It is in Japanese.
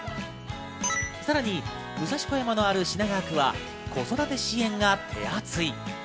さらに武蔵小山のある品川区は子育て支援が手厚い。